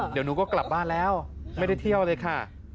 เดี๋ยวหนูก็กลับบ้านแล้วไม่ได้เที่ยวเลยค่ะ